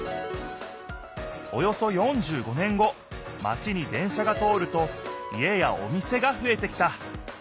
およそ４５年後マチに電車が通ると家やお店がふえてきた。